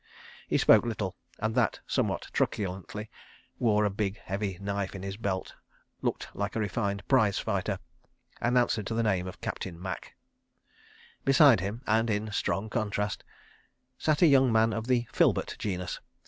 He spoke little, and that somewhat truculently, wore a big heavy knife in his belt, looked like a refined prize fighter, and answered to the name of Captain Macke. Beside him, and in strong contrast, sat a young man of the Filbert genus.